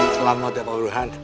selamat ya pak buruhan